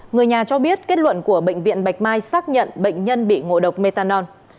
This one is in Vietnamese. người nhà cho biết kết luận của bệnh viện bạch mai xác nhận bệnh nhân bị ngộ độc metanol